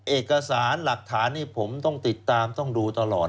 เอกสารหลักฐานนี่ผมต้องติดตามต้องดูตลอด